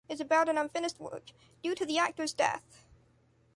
It’s about an unfinished work, due to the actor’s death.